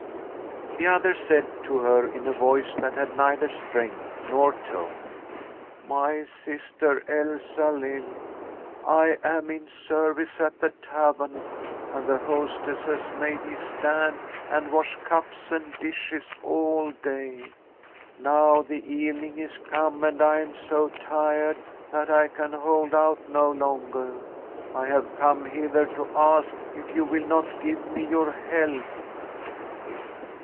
The other said to her in a voice that had neither strength nor tone: "My sister Elsalill, I am in service at the tavern, and the hostess has made me stand and wash cups and dishes all day. Now the evening is come and I am so tired that I can hold out no longer. I have come hither to ask if you will not give me your help."